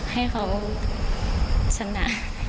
ให้เขาชนะ